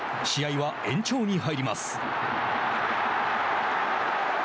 試合は延長に入ります。